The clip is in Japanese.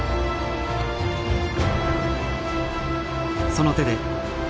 その手で。